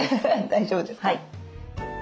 大丈夫ですか。